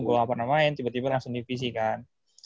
gue gak pernah main tiba tiba langsung divisi kan